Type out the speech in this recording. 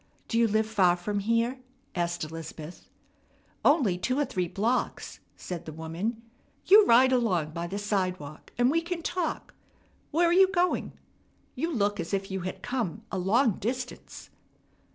"Do you live far from here?" asked Elizabeth. "Only two or three blocks," said the woman. "You ride along by the sidewalk, and we can talk. Where are you going? You look as if you had come a long distance."